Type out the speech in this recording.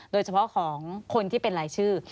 โดยเฉพาะของคนที่เป็นรายชื่อ